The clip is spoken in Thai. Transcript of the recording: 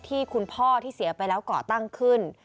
ที่คุณพ่อที่เสียไปแล้วก่อตั้งขึ้น